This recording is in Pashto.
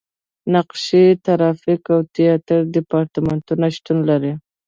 نقاشۍ، ګرافیک او تیاتر دیپارتمنټونه شتون لري.